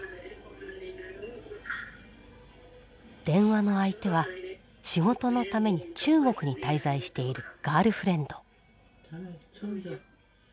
電話の相手は仕事のために中国に滞在しているガールフレンド。